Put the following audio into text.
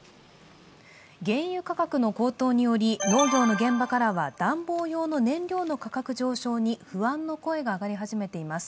原油価格の高騰により農業の現場からは暖房用の燃料の価格上昇に不安の声が上がり始めています。